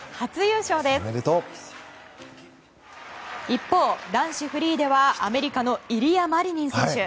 一方、男子のフリーではアメリカのイリア・マリニン選手。